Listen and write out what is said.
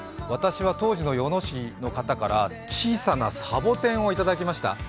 私は当時の与野市の方から、小さなサボテンをいただきました。